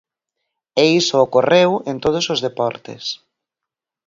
E iso ocorreu en todos os deportes.